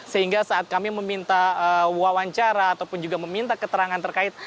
sehingga saat kami meminta wawancara ataupun juga meminta keterangan terkait